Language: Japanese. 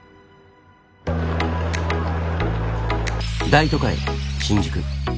大都会新宿。